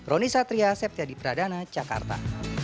roni satria septya di pradana jakarta